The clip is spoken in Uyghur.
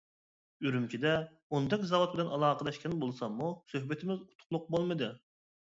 ئۈرۈمچىدە ئوندەك زاۋۇت بىلەن ئالاقىلەشكەن بولساممۇ سۆھبىتىمىز ئۇتۇقلۇق بولمىدى.